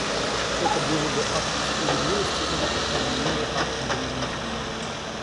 Это было бы актом справедливости или, по крайней мере, актом гуманизма.